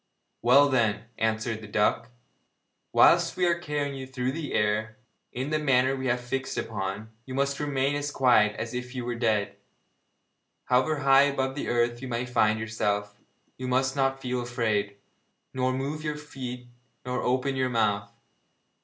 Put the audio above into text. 'Well, then,' answered the duck, 'whilst we are carrying you through the air, in the manner that we have fixed upon, you must remain as quiet as if you were dead. However high above the earth you may find yourself, you must not feel afraid, nor move your feet nor open your mouth.